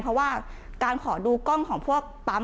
เพราะว่าการขอดูกล้องของพวกปั๊ม